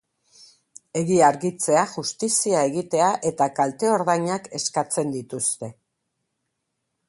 Egia argitzea, justizia egitea eta kalte ordainak eskatzen dituzte.